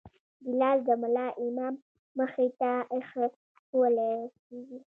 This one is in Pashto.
ګیلاس د ملا امام مخې ته ایښوول کېږي.